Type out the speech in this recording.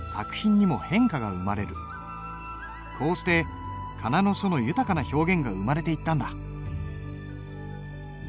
こうして仮名の書の豊かな表現が生まれていったんだ。